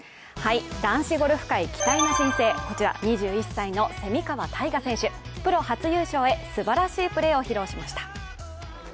男子ゴルフ界期待の新星、こちら、２１歳の蝉川泰果選手、プロ初優勝へすばらしいプレーを披露しました。